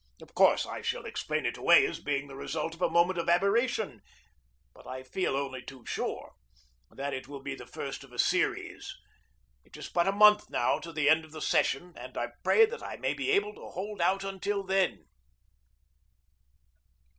Of course I shall explain it away as being the result of a moment of aberration, but I feel only too sure that it will be the first of a series. It is but a month now to the end of the session, and I pray that I may be able to hold out until then.